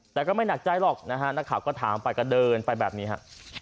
แต่ก็ไม่หนักใจหรอกนะฮะนักข่าวก็ถามไปก็เดินไปแบบนี้ฮะ